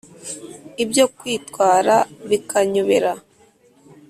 Ibyo kwitwara bikanyobera.